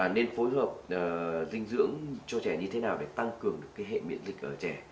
nên phối hợp dinh dưỡng cho trẻ như thế nào để tăng cường hệ miễn dịch ở trẻ